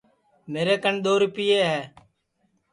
میرے کن دؔو ریپئے ہے